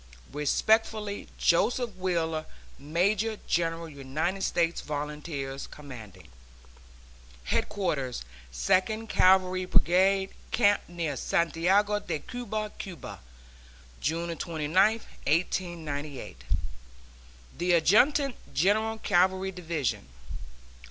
Respectfully, JOSEPH WHEELER, Major General United States Volunteers, Commanding. HEADQUARTERS SECOND CAVALRY BRIGADE, CAMP NEAR SANTIAGO DE CUBA, CUBA, June 29, 1898. THE ADJUTANT GENERAL CAVALRY DIVISION.